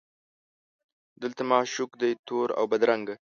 دلته معشوق دی تور اوبدرنګه